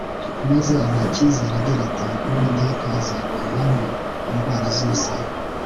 maze abaha nicyizere agira ati Uwiteka azagukuraho indwara zose